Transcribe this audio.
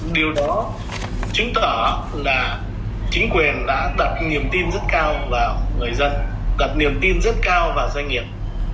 điều đó chứng tỏ là chính quyền đã đặt niềm tin rất cao vào người dân đặt niềm tin rất cao vào doanh nghiệp